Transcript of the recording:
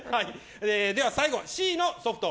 最後、Ｃのソフト。